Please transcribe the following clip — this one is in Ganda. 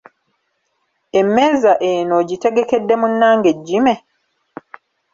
Emmeeza eno ogitegekedde munnange Jimmy?